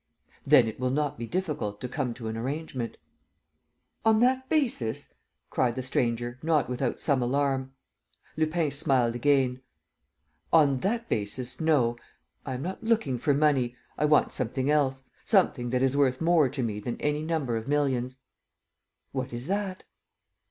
"Then it will not be difficult to come to an arrangement." "On that basis?" cried the stranger, not without some alarm. Lupin smiled again: "On that basis, no. ... I am not looking for money. I want something else, something that is worth more to me than any number of millions." "What is that?"